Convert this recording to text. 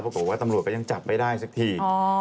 ปรากฏว่าตำรวจก็ยังจับไม่ได้สักที